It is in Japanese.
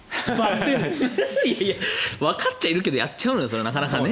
わかっちゃいるけどやっちゃうのよ。